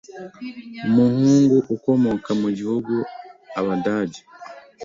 umuhungu ukomoka mu gihugu abadage